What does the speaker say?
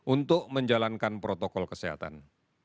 untuk menjalankan protokol kesehatan